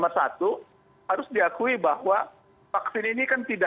nomor satu harus diakui bahwa vaksininya